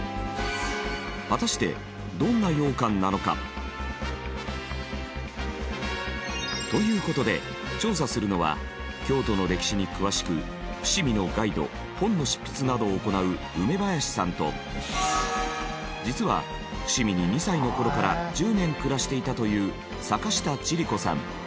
果たしてという事で調査するのは京都の歴史に詳しく伏見のガイド本の執筆などを行う梅林さんと実は伏見に２歳の頃から１０年暮らしていたという坂下千里子さん。